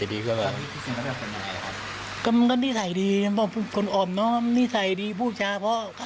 ในโรงพิธีใส่เป็นด้วยไหมคะ